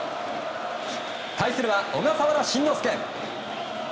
対するは小笠原慎之介。